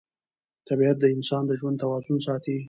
طبیعت د انسان د ژوند توازن ساتي